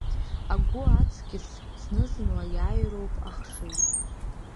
Агәы аҵкьыс зны-зынла ииааироуп ахшыҩ.